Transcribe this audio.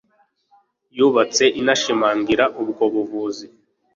yubatse inashimangira ubwo buvuzi